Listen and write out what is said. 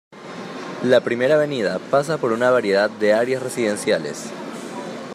La primera Avenida pasa por una variedad de áreas residenciales.